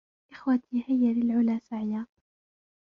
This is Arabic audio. إخوتي هيـا للعلى سعيا